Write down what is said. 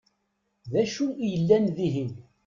D acu i yellan dihin?